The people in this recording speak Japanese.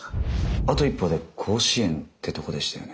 あと一歩で甲子園ってとこでしたよね？